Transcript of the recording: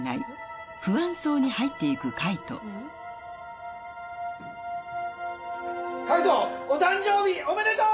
海人お誕生日おめでとう！